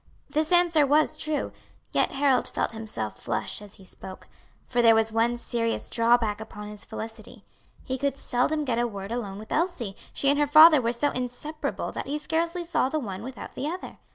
This answer was true, yet Harold felt himself flush as he spoke, for there was one serious drawback upon his felicity; he could seldom get a word alone with Elsie; she and her father were so inseparable that he scarcely saw the one without the other.